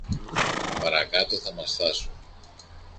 Παρακάτω θα μας φθάσουν.